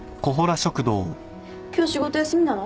今日仕事休みなの？